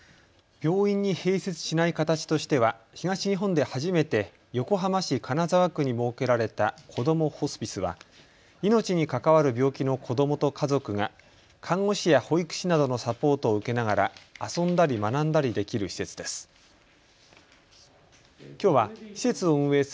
病院に併設しない形としては東日本で初めて横浜市金沢区に設けられた、こどもホスピスは命に関わる病気の子どもと家族が看護師や保育士などのサポートを受けながら遊んだり学んだりできる施設です。